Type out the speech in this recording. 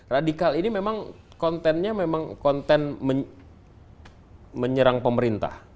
radikal ini memang kontennya memang konten menyerang pemerintah